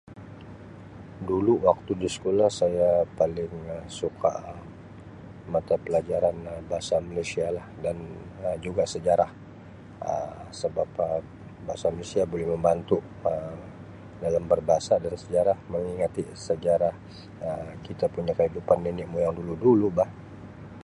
Dulu waktu di sekolah saya paling Um suka mata pelajaran Um bahasa Malaysia lah dan Um juga Um sejarah Um sebab Um bahasa Malaysia boleh membantu Um dalam berbahasa dan sejarah mengingati sejarah Um kita punya kehidupan nenek moyang dulu-dulu bah.